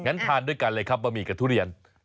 ทานด้วยกันเลยครับบะหมี่กับทุเรียน